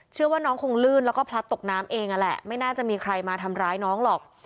เชื่อว่าน้องคงลื่นแล้วก็พลัดตกน้ำเองนั่นแหละไม่น่าจะมีใครมาทำร้ายน้องหรอก